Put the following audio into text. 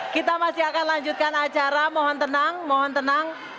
kita masih akan lanjutkan acara mohon tenang mohon tenang